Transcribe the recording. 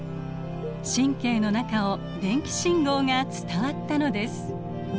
神経の中を電気信号が伝わったのです。